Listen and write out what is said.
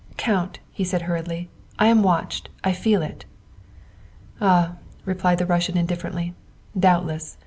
" Count," he said hurriedly, " I am watched. I feel it." "Ah," replied the Russian indifferently, " doubtless.